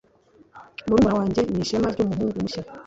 Murumuna wanjye ni ishema ryumuhungu mushya.